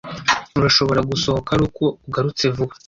Urashobora gusohoka ari uko ugarutse vuba.